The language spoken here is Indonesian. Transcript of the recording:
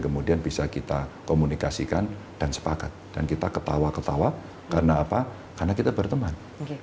kemudian bisa kita komunikasikan dan sepakat dan kita ketawa ketawa karena apa karena kita berteman